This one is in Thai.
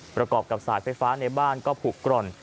ประกอบกับสายไฟฟ้าในบ้านก็ผูกกร่อน